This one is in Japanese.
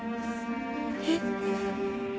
えっ？